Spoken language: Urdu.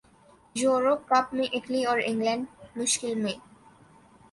یورو کپ میں اٹلی اور انگلینڈ مشکل میں